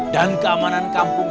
dan keamanan kampung